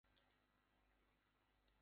শুধু আমার মনের দুঃখ গুলো বুঝতে পারোনা।